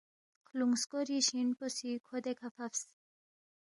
خلوُنگ سکوری شین پو سی کھو دیکھہ فبس